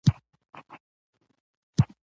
د لاسونو د بې حسی لپاره د لاس ورزش وکړئ